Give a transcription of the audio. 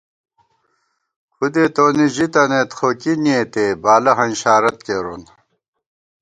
کھُدے تونی ژی تنَئیت خو کی نېتے بالہ ہنشارت کېرون